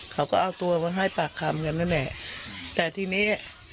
เขาก็เอาตัวมาให้ปากคามกันนะแน่แต่ทีนี้